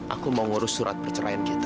aku mau ngurus surat perceraian kita